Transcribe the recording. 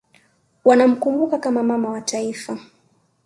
wanamkumbuka kama Mama wa Taifa